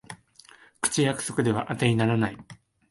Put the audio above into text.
口約束ではあてにならない